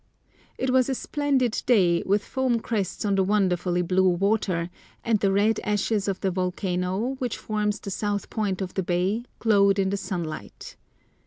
It was a splendid day, with foam crests on the wonderfully blue water, and the red ashes of the volcano, which forms the south point of the bay, glowed in the sunlight.